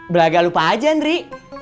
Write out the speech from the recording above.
belaga lupa aja indri